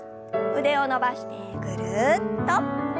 腕を伸ばしてぐるっと。